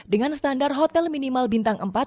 dengan standar hotel minimal bintang empat